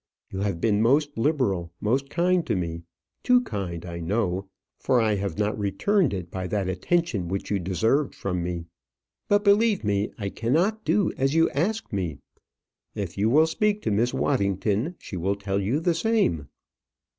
You have been most liberal, most kind to me; too kind, I know, for I have not returned it by that attention which you deserved from me. But, believe me, I cannot do as you ask me. If you will speak to Miss Waddington, she will tell you the same."